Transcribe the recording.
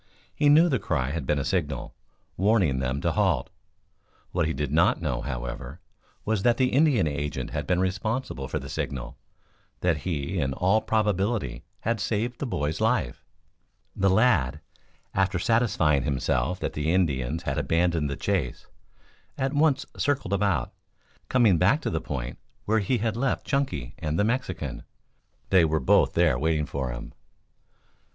He knew the cry had been a signal, warning them to halt. What he did not know, however, was that the Indian agent had been responsible for the signal; that he in all probability had saved the boy's life. The lad, after satisfying himself that the Indians had abandoned the chase, at once circled about, coming back to the point where he had left Chunky and the Mexican. They were both there waiting for him.